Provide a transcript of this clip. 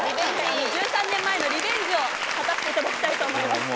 １３年前のリベンジを果たしていただきたいと思います。